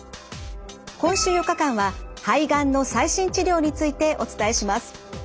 今週４日間は肺がんの最新治療についてお伝えします。